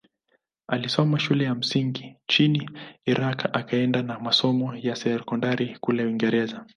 Alisoma shule ya msingi nchini Iran akaendelea na masomo ya sekondari kule Uingereza.